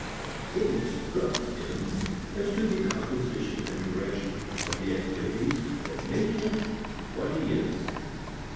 It instructs him as to the composition and direction of the activities that make him what he is.